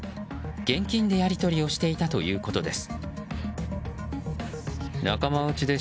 現金でやり取りをしていたということです。